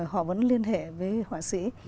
họ vẫn liên hệ với họa sĩ